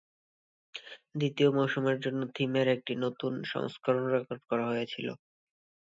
দ্বিতীয় মৌসুমের জন্য থিমের একটি নতুন সংস্করণ রেকর্ড করা হয়েছিল।